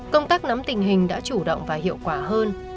công tác nắm tình hình đã chủ động và hiệu quả hơn